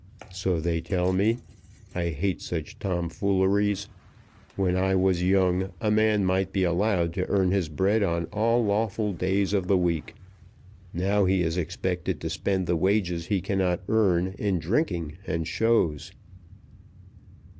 "So they tell me. I hate such tom fooleries. When I was young a man might be allowed to earn his bread on all lawful days of the week. Now he is expected to spend the wages he cannot earn in drinking and shows."